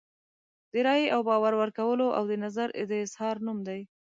د رایې او باور ورکولو او د نظر د اظهار نوم دی.